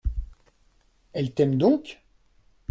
Elle t'aime donc ?